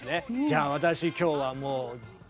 じゃあ私今日はもうよっ！